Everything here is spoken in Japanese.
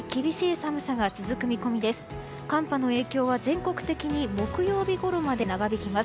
寒波の影響は全国的に木曜日ごろまで長引きます。